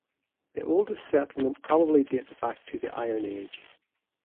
The oldest settlement probably dates back to the Iron Age.